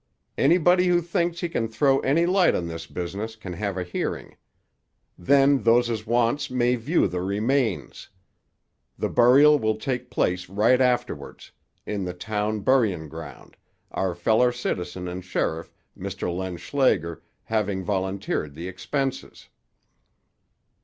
Anybody who thinks he can throw any light on this business can have a hearing. Then those as wants may view the remains. The burial will take place right afterwards, in the town buryin' ground, our feller citizen and sheriff, Mr. Len Schlager, having volunteered the expenses."